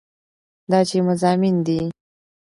دا چې مضامين دي